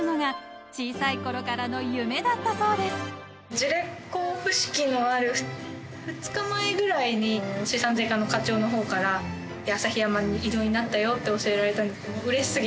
辞令交付式のある２日前ぐらいに資産税課の課長の方から旭山に異動になったよって教えられたんですけど。